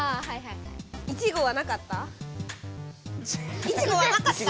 いちごはなかった？